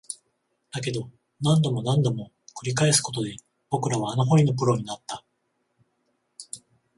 だけど、何度も何度も繰り返すことで、僕らは穴掘りのプロになった